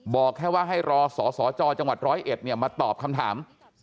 บอกแค่ว่าให้รอสสจจังหวัดร้อยเอ็ดเนี่ยมาตอบคำถาม